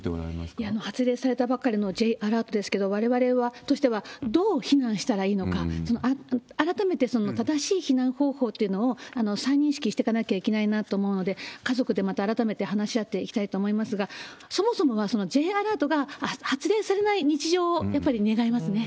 いや、もう発令されたばかりのＪアラートですけれども、われわれとしてはどう避難したらいいのか、改めてその正しい避難方法というのを再認識していかなきゃいけないなと思うので、家族でまた改めて話し合っていきたいと思いますが、そもそもは、そのＪアラートが発令されない日常を、やっぱり願いますね。